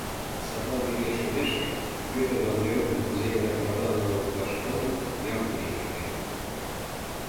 Садлан кеҥеж шумешке, Пӧтырлан Верукым кузе-гынат марлан налын пуаш манын, ямде лийын шоген.